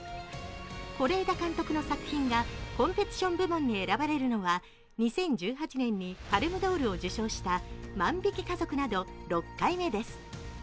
是枝監督の作品がコンペティション部門に選ばれるのは、２０１８年にパルムドールを受賞した「万引き家族」など６回目です。